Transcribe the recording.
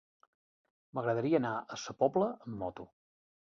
M'agradaria anar a Sa Pobla amb moto.